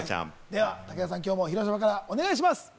武田さん、今日も広島からよろしくお願いします。